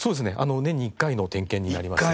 年に１回の点検になります。